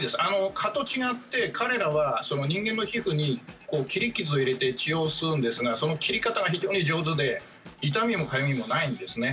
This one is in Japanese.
蚊と違って、彼らは人間の皮膚に切り傷を入れて血を吸うんですがその切り方が非常に上手で痛みもかゆみもないんですね。